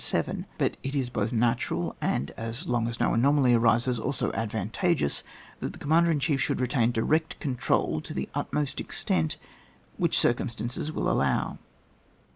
But ii is both natural, and as long as no anomaly arises, also advan tageous, that the commander in chief should retain direct control to the ut most extent which circumstances will allow.